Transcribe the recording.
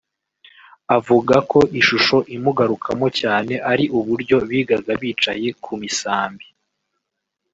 avuga ko ishusho imugarukamo cyane ari uburyo bigaga bicaye ku misambi